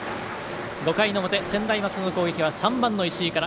５回の表、専大松戸の攻撃は３番の石井から。